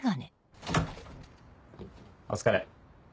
お疲れ。